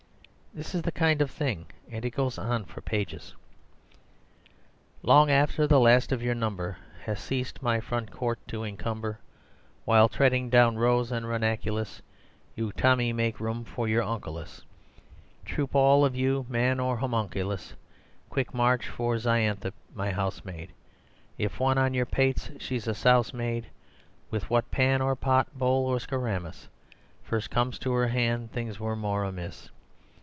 This is the kind of thing, and it goes on for pages: "Long after the last of your number Has ceased my front court to encumber While, treading down rose and ranunculus, You Tommy make room for your uncle us! Troop, all of you man or homunculus, Quick march! for Xanthippe, my housemaid, If once on your pates she a souse made With what, pan or pot, bowl or skoramis, First comes to her hand things were more amiss!